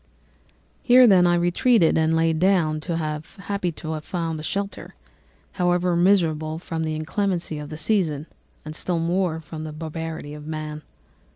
"Here, then, I retreated and lay down happy to have found a shelter, however miserable, from the inclemency of the season, and still more from the barbarity of man.